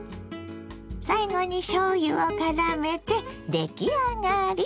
最後にしょうゆをからめて出来上がり。